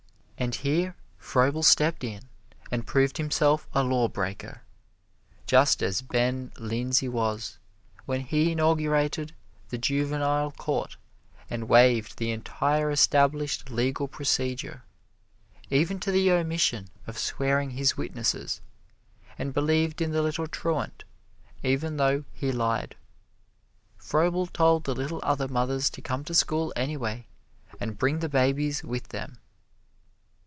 And here Froebel stepped in and proved himself a law breaker, just as Ben Lindsey was when he inaugurated the juvenile court and waived the entire established legal procedure, even to the omission of swearing his witnesses, and believed in the little truant even though he lied. Froebel told the little other mothers to come to school anyway and bring the babies with them.